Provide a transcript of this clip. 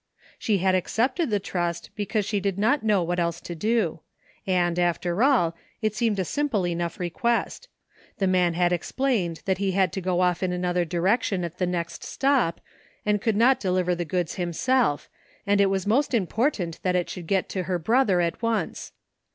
She had accepted the trust because she did not know what else to do; and after all, it seemed a simple enough request. The man had explained that he had to go off in another direction at the next stop and could not deliver the goods himself and it was most important that it get to her brother at once.